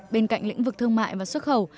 bên cạnh lĩnh vực thương mại và xuất khẩu